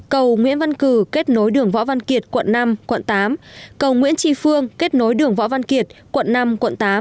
cầu nguyễn văn cử kết nối đường võ văn kiệt quận năm quận tám cầu nguyễn tri phương kết nối đường võ văn kiệt quận năm quận tám